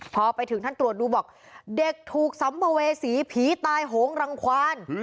พอไปถึงท่านตรวจดูบอกเด็กถูกสัมภเวษีผีตายโหงรังควาน